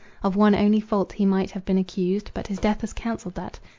Of one only fault he might have been accused; but his death has cancelled that.